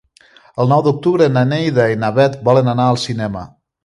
El nou d'octubre na Neida i na Bet volen anar al cinema.